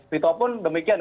wih toto pun demikian